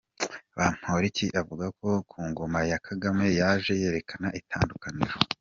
Bamporiki avuga ko ku ngoma ya Kagame yaje yerekana itandukaniro.